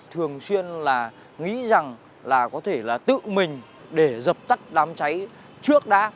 thường xuyên là nghĩ rằng là có thể là tự mình để dập tắt đám cháy trước đã